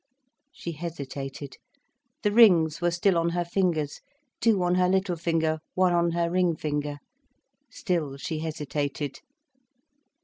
She hesitated. The rings were still on her fingers, two on her little finger, one on her ring finger. Still she hesitated.